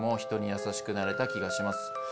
優しくなれた気がします。